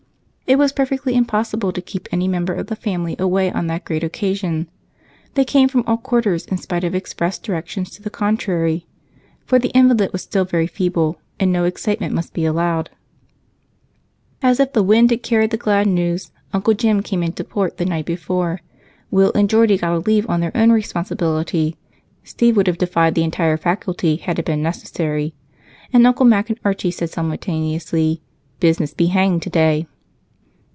It was perfectly impossible to keep any member of the family away on that great occasion. They came from all quarters in spite of express directions to the contrary, for the invalid was still very feeble and no excitement must be allowed. As if the wind carried the glad news, Uncle Jem came into port the night before; Will and Geordie got a leave on their own responsibility; Steve would have defied the entire faculty, had it been necessary; and Uncle Mac and Archie said simultaneously, "Business be hanged today."